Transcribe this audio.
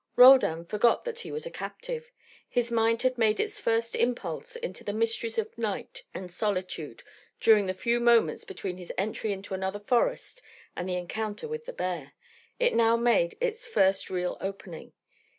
Roldan forgot that he was a captive. His mind had made its first impulse to the mysteries of night and solitude during the few moments between his entry into another forest and the encounter with the bear; it now made its first real opening.